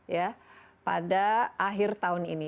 ya pada akhir tahun ini